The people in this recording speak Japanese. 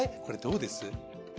これどうです？